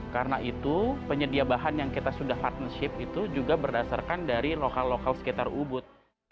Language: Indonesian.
karena itu penyedia bahan yang kita sudah harneship itu juga berdasarkan dari lokal lokal sekitar ubud